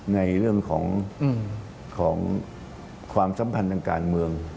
ในเรื่องของความสัมพันธ์ทางการเมือง